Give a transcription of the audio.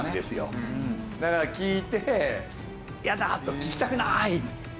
だから聞いて「嫌だ！」と「聞きたくない！」。